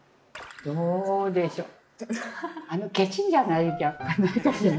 どうでしょう。